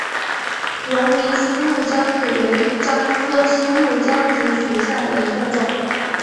龙陵新木姜子为樟科新木姜子属下的一个种。